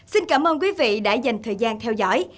xin cảm ơn quý vị đã dành thời gian theo dõi